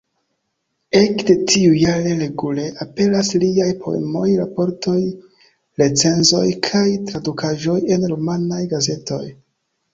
Ekde tiu jare regule aperas liaj poemoj, raportoj, recenzoj kaj tradukaĵoj en rumanaj gazetoj.